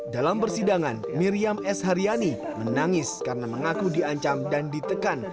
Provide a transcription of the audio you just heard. dalam persidangan miriam s haryani menangis karena mengaku diancam dan ditekan